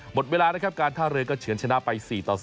หมดเวลานะครับการท่าเรือก็เฉินชนะไป๔ต่อ๐